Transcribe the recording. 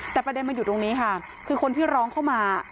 แต่ประเด็นมันอยู่ตรงนี้ค่ะคือคนที่ร้องเข้ามา